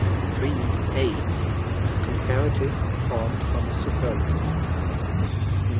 8) a comparative formed from a superlative. Rem.